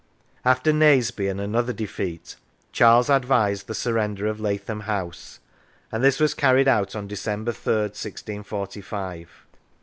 After Naseby and another defeat, Charles advised the surrender of Lathom House, and this was carried out on December 3rd, 1645 .